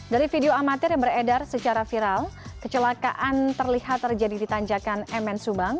dari video amatir yang beredar secara viral kecelakaan terlihat terjadi di tanjakan mn subang